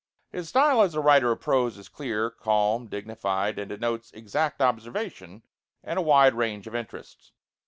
His style as a writer of prose is clear, calm, dignified, and denotes exact observation and a wide range of interests.